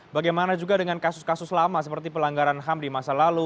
bagaimana juga dengan kasus kasus lama seperti pelanggaran ham di masa lalu